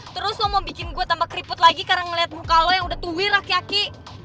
terus lo mau bikin gue tambah keriput lagi karena ngeliat muka lo yang udah tuai laki laki